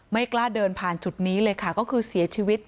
กล้าเดินผ่านจุดนี้เลยค่ะก็คือเสียชีวิต